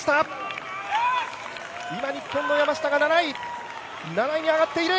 今日本の山下が７位７位に上がっている！